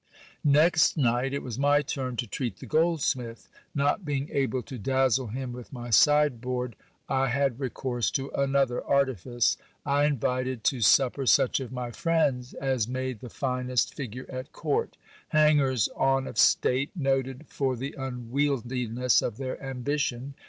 Next night, it was my turn to treat the goldsmith. Not being able to dazzle him with my sideboard, I had recourse to another artifice. I invited to supper such of my friends as made the finest figure at court ; hangers on of state, noted for the unwieldiness of their ambition.